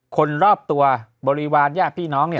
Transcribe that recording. คนรอบตัวบริวารญาติพี่น้องเนี่ย